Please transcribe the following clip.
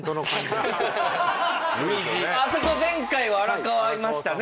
あそこ前回は荒川いましたね